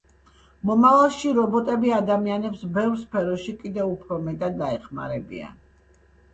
მომავალში რობოტები ადამიანებს ბევრ სფეროში კიდევ უფრო მეტად დაეხმარებიან.